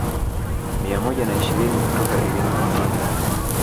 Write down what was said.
Mia moja na ishirini kutoka Iringa mjini